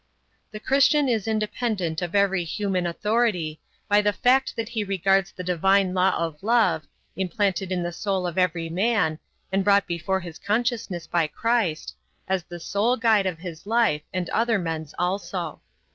The Christian is independent of every human authority by the fact that he regards the divine law of love, implanted in the soul of every man, and brought before his consciousness by Christ, as the sole guide of his life and other men's also.